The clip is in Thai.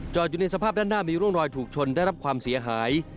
อยู่ในสภาพด้านหน้ามีร่องรอยถูกชนได้รับความเสียหาย